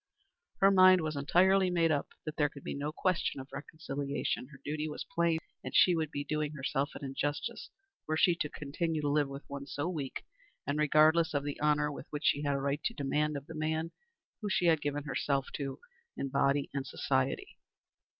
Her mind was entirely made up that there could be no question of reconciliation. Her duty was plain; and she would be doing herself an injustice were she to continue to live with one so weak and regardless of the honor which she had a right to demand of the man to whom she had given her society and her body.